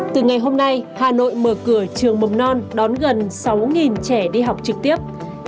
từ ngày hôm nay hà nội mở cửa trường mầm non đón gần sáu trẻ đi học trực tiếp